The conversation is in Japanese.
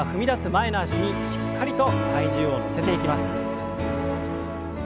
前の脚にしっかりと体重を乗せていきます。